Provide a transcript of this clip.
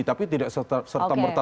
tapi tidak serta merta